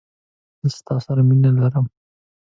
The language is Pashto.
زه ستا سره مینه لرم